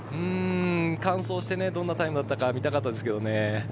完走して、どんなタイムだったか見たかったんですけどね。